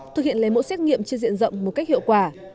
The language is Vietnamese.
thực hiện lấy mẫu xét nghiệm trên diện rộng một cách hiệu quả